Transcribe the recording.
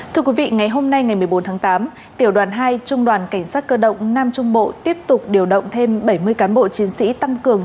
thưa quý vị ngày hôm nay ngày một mươi bốn tháng tám tiểu đoàn hai trung đoàn cảnh sát cơ động nam trung bộ tiếp tục điều động thêm bảy mươi cán bộ chiến sĩ tăng cường